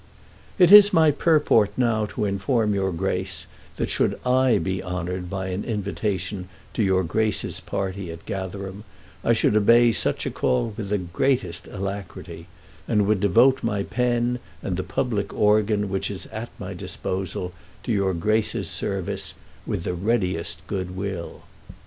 It is my purport now to inform your Grace that should I be honoured by an invitation to your Grace's party at Gatherum, I should obey such a call with the greatest alacrity, and would devote my pen and the public organ which is at my disposal to your Grace's service with the readiest good will.